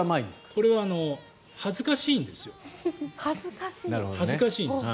これは恥ずかしいんですよ恥ずかしいんです。